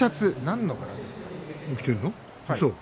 きているの？